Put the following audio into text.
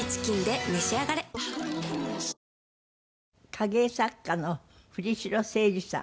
影絵作家の藤城清治さん